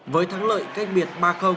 với thắng lợi cách biệt ba